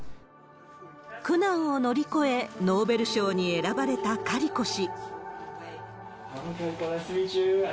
苦難を乗り越え、ノーベル賞に選ばれたカリコ氏。